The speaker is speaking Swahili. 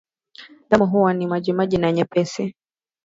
Damu huwa ni majimaji na nyepesi